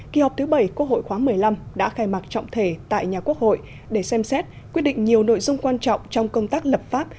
kỳ họp thứ bảy quốc hội khóa một mươi năm đã khai mạc trọng thể tại nhà quốc hội để xem xét quyết định nhiều nội dung quan trọng trong công tác lập pháp